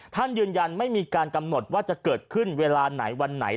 ท่านยืนยันไม่มีการกำหนดว่าจะเกิดขึ้นเวลาไหนวันไหน